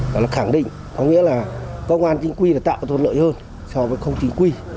đó là khẳng định có nghĩa là công an chính quy là tạo được thuận lợi hơn so với không chính quy